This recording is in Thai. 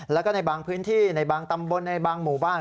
แล้วก็ในบางพื้นที่ในบางตำบลในบางหมู่บ้าน